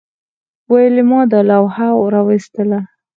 ویلما دا لوحه راویستله